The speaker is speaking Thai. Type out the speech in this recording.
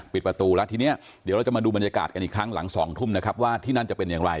ปิดประตูแล้วทีนี้เดี๋ยวเราจะมาดูบรรยากาศกันอีกครั้งหลัง๒ทุ่มนะครับว่าที่นั่นจะเป็นอย่างไร